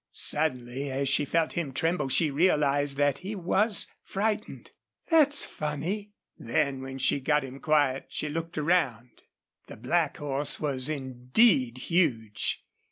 Suddenly, as she felt him tremble, she realized that he was frightened. "That's funny!" Then when she got him quiet she looked around. The black horse was indeed huge.